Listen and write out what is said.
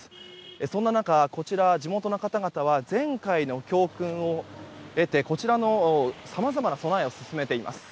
そんな中、こちら地元の方々は前回の教訓を得てさまざまな備えを進めています。